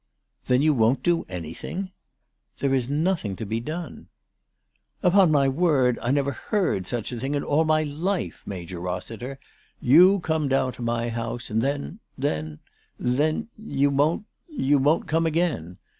" Then you won't do anything !"" There is nothing to be done." " Upon my word, I never heard such a thing in all my life, Major Rossiter. You come down to my house ; and then, then, then you won't, you won't come again